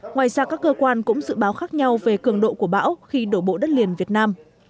ngoài ra các cơ quan cũng dự báo khác nhau về cường độ của bão khi đổ bộ đất liền việt nam